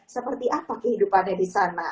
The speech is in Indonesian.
seperti apa kehidupannya di sana